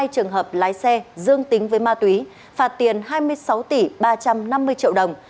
hai mươi trường hợp lái xe dương tính với ma túy phạt tiền hai mươi sáu tỷ ba trăm năm mươi triệu đồng